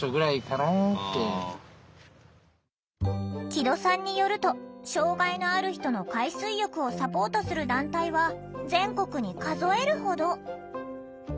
木戸さんによると障害のある人の海水浴をサポートする団体は全国に数えるほど。